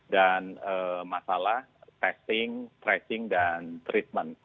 dan masalah testing tracing dan treatment